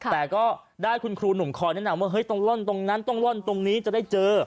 แต่ก็ได้คุณครูหนุ่มคอยแนะนำว่าเฮ้ยต้องล่อนตรงนั้นต้องล่อนตรงนี้จะได้เจอ